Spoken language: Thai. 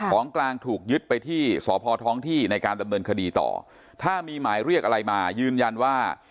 ของกลางถูกยึดไปที่สพท้องที่ในการดำเนินคดีต่อถ้ามีหมายเรียกอะไรมายืนยันว่า